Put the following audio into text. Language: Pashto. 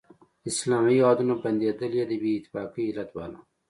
اسلامي هیوادونه بندېدل یې د بې اتفاقۍ علت باله.